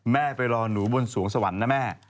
ไปรอหนูบนสวงสวรรค์นะแม่